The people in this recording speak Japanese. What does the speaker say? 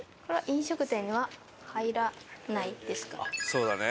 そうだね。